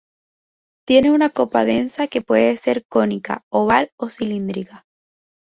Tiene una copa densa que puede ser cónica, oval o cilíndrica.